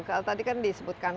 kalau tadi kan disebutkan